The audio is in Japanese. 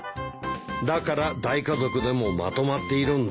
だから大家族でもまとまっているんだ。